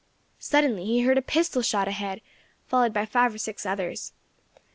Suddenly he heard a pistol shot ahead, followed by five or six others.